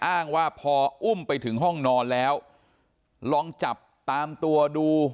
อ้างว่าพออุ้มไปถึงห้องนอนแล้วลองจับตามตัวดู